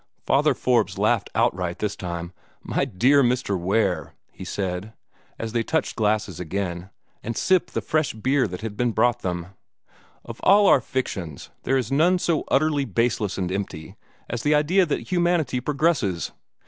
Father Forbes laughed outright this time. "My dear Mr. Ware," he said, as they touched glasses again, and sipped the fresh beer that had been brought them, "of all our fictions there is none so utterly baseless and empty as this idea that humanity progresses.